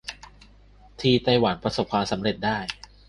ที่ไต้หวันประสบความสำเร็จได้